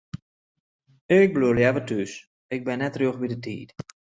Ik bliuw leaver thús, ik bin net rjocht by de tiid.